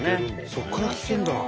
そこからきてるんだ。